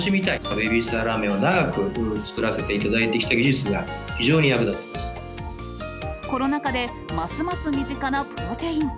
ベビースターラーメンを長く作らせていただいてきている技術が非コロナ禍で、ますます身近なプロテイン。